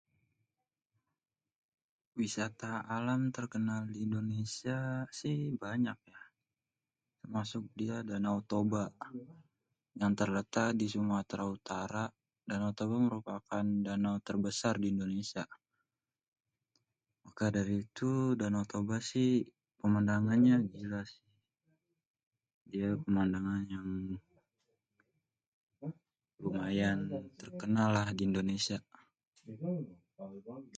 Wisata alam terkenal di indonesia si banyak ya, termasuk dia Danau Toba yang terletak di Sumatera Utara, Danau Toba merupakan danau tebesar di Indonesia, karna itu Danau Toba si pemandangannye gila sih ye pemandangan, lumayan terkenal lah di indonesia.